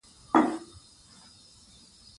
ژوند د انسان د همت مطابق بدلېږي.